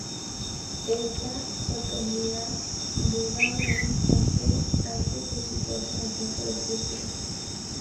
Esta, sorprendida, duda un instante antes de situarse en el centro del círculo.